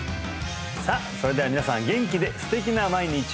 さあそれでは皆さん元気で素敵な毎日を！